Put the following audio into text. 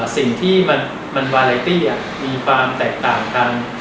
สิ่งที่มันบาไลตี้มีความแตกต่างกัน